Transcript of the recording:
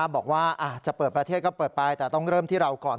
บอกว่าจะเปิดประเทศก็เปิดไปแต่ต้องเริ่มที่เราก่อน